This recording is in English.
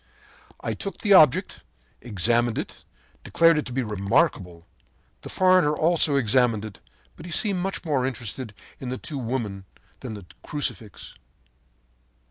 “I took the object, examined it and declared it to be remarkable. The foreigner also examined it, but he seemed much more interested in the two women than in the crucifix.